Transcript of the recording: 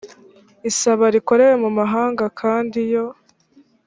isaba rikorewe mu mahanga kandi iyo